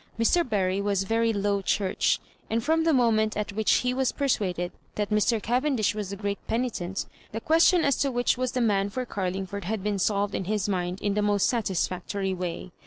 Mr. Bury was very Low Church ; and firom the moment at whidi he was persuaded that Mr. Oavendish was a great peni tent, the question as to which was the liao. for Oarlingford had been solved in his mind in the most satisfactory way.